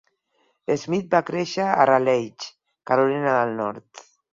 Smith va créixer a Raleigh (Carolina del Nord).